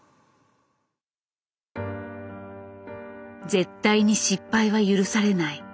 絶対に失敗は許されない。